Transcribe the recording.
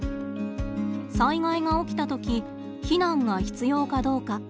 災害が起きたとき避難が必要かどうか。